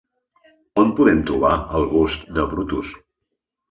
On podem trobar el Bust de Brutus?